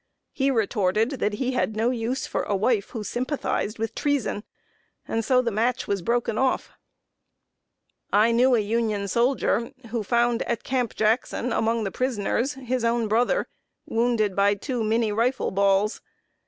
He retorted that he had no use for a wife who sympathized with treason; and so the match was broken off. [Sidenote: BITTERNESS OF OLD NEIGHBORS.] I knew a Union soldier who found at Camp Jackson, among the prisoners, his own brother, wounded by two Minié rifle balls.